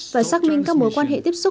và xác minh các mối quan hệ tiếp xúc